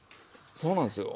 そうなんですよ。